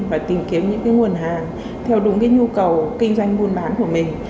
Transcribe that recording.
và tìm kiếm những nguồn hàng theo đúng cái nhu cầu kinh doanh buôn bán của mình